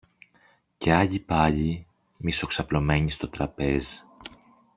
και άλλοι πάλι, μισοξαπλωμένοι στο τραπέζ